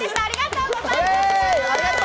ありがとうございます。